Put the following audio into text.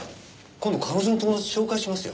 今度彼女の友達紹介しますよ。